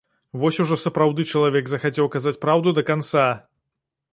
Вось ужо сапраўды чалавек захацеў казаць праўду да канца!